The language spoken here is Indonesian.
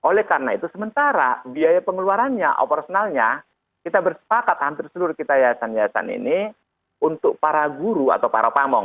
oleh karena itu sementara biaya pengeluarannya operasionalnya kita bersepakat hampir seluruh kita yayasan yayasan ini untuk para guru atau para pamong